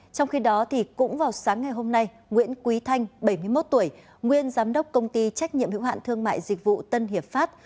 trong khi đó cũng vào sáng ngày hôm nay nguyễn quý thanh bảy mươi một tuổi nguyên giám đốc công ty trách nhiệm hữu hạn thương mại dịch vụ tân hiệp pháp